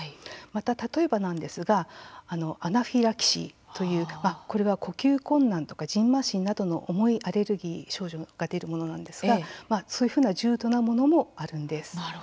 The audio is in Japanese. また例えばなんですがアナフィラキシーというこれは呼吸困難とかじんましんなどの重いアレルギー症状が出るものなんですがそういうふうな重度なものもあるんです。